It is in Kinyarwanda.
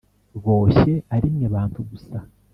“boshye ari mwe bantu gusa,